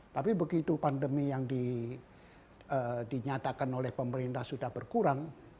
tapi begitu pandemi yang dinyatakan oleh pemerintah sudah berkurang